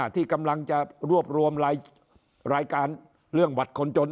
ที่กำลังจะรวบรวมรายการเรื่องบัตรคนจน